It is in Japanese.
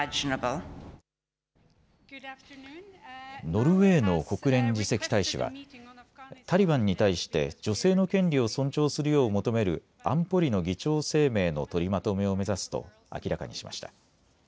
ノルウェーの国連次席大使はタリバンに対して女性の権利を尊重するよう求める安保理の議長声明の取りまとめを目指すと明らかにしました。